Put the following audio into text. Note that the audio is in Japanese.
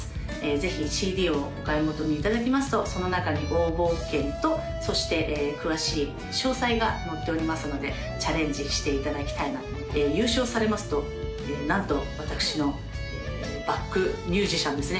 ぜひＣＤをお買い求めいただきますとその中に応募券とそして詳しい詳細が載っておりますのでチャレンジしていただきたいなと優勝されますとなんと私のバックミュージシャンですね